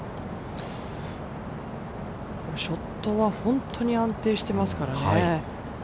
ショットは本当に安定していますからね。